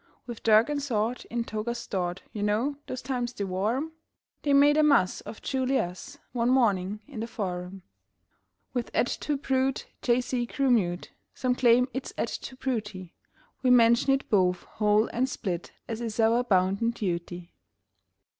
With dirk and sword in togas stored You know those times they wore 'em They made a muss of Ju li us One morning in the Forum. With "Et tu, Brute?" J. C. grew mute. (Some claim it's "Et tu, Bru te"; We mention it both whole and split As is our bounden duty.)